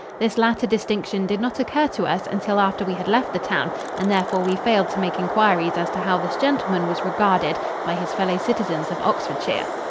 This latter distinction did not occur to us until after we had left the town, and therefore we failed to make inquiries as to how this gentleman was regarded by his fellow citizens of Oxfordshire.